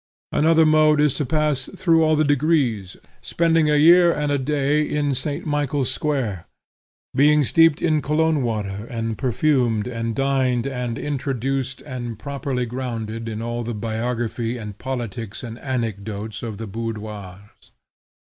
Another mode is to pass through all the degrees, spending a year and a day in St. Michael's Square, being steeped in Cologne water, and perfumed, and dined, and introduced, and properly grounded in all the biography and politics and anecdotes of the boudoirs.